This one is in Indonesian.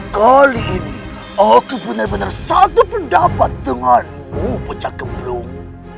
kali ini aku benar benar satu pendapat denganmu pecah kembrung